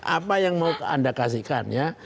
apa yang mau anda kasihkan ya